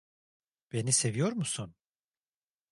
Beni seviyor musun?